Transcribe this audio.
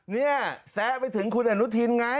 นี่แซะไปถึงคุณอนุทินไง